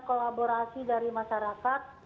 kolaborasi dari masyarakat